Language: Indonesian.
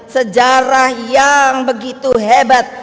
sejarah yang begitu hebat